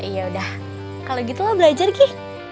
yaudah kalau gitu lo belajar gi